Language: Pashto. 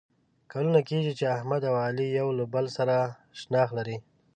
کلونه کېږي چې احمد او علي یو له بل سره شناخت لري.